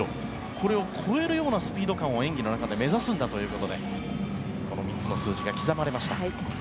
これを超えるようなスピード感を演技の中で目指すんだということでこの３つの数字が刻まれました。